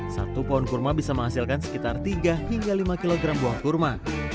satu pohon kurma bisa menghasilkan sekitar tiga hingga lima kg buah kurma